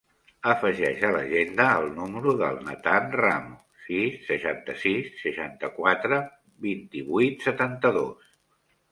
Afegeix a l'agenda el número del Nathan Ramo: sis, seixanta-sis, seixanta-quatre, vint-i-vuit, setanta-dos.